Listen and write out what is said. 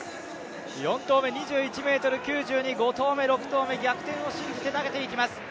４投目２１ｍ９２、５投目、６投目、逆転を信じて投げていきます。